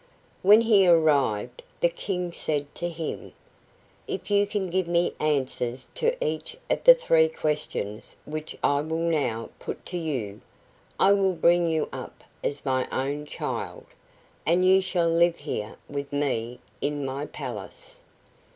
When he arrived the King said to him: "If you can give me answers to each of the three questions which I will now put to you, I will bring you up as my own child, and you shall live here with me in my palace."